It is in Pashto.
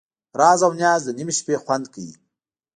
راز او نیاز د نیمې شپې خوند کوي.